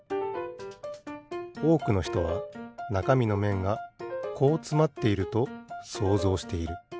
おおくのひとはなかみのめんがこうつまっていると想像している。